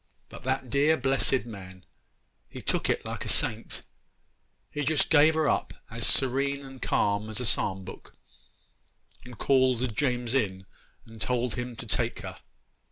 But that dear, blessed man! he took it like a saint. He just gave her up as serene and calm as a psalm book, and called James in and told him to take her.